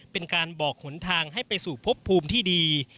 เป็นการบอกหนทางให้ไปสู่พบภูมิที่ดี